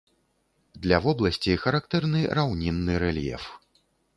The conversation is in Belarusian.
Для вобласці характэрны раўнінны рэльеф.